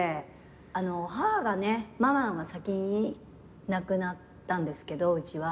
母がねママが先に亡くなったんですけどうちは。